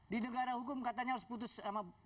di negara hukum katanya harus putus sama